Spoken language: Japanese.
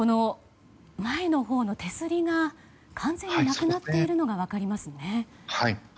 前のほうの手すりが完全になくなっているのが分かりますね。